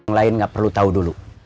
yang lain gak perlu tau dulu